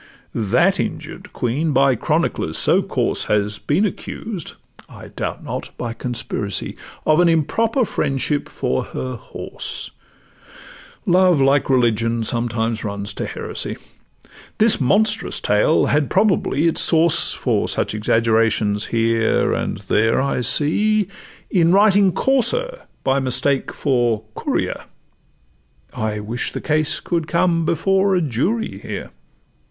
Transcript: That injured Queen by chroniclers so coarse Has been accused (I doubt not by conspiracy) Of an improper friendship for her horse (Love, like religion, sometimes runs to heresy): This monstrous tale had probably its source (For such exaggerations here and there I see) In writing 'Courser' by mistake for 'Courier:' I wish the case could come before a jury here.